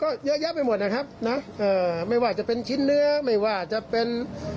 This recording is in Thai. ก็เยอะแยะไปหมดนะครับเนอะเอ่อไม่ว่าจะเป็นชิ้นเนื้อไม่ว่าจะเป็น